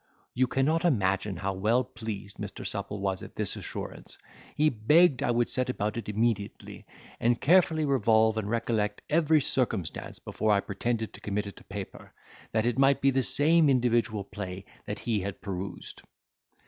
You cannot imagine how well pleased Mr. Supple was at this assurance; he begged I would set about it immediately, and carefully revolve and recollect every circumstance before I pretended to commit it to paper, that it might be the same individual play that he had perused.